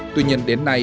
tuy nhiên đến nay